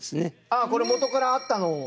ああこれ元からあったのを。